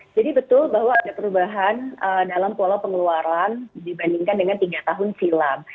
jadi betul bahwa ada perubahan dalam pola pengeluaran dibandingkan dengan tiga tahun silam